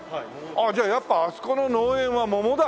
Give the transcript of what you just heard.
ああじゃあやっぱあそこの農園は桃だ。